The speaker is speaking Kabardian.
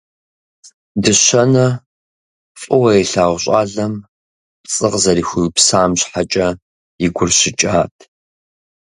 Дыщэнэ фӏыуэ илъагъу щӏалэм пцӏы къызэрыхуиупсам щхьэкӏэ и гур щыкӏат.